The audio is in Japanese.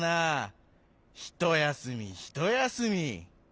ひとやすみひとやすみ。